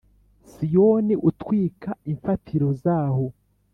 Siyoni utwika imfatiro zaho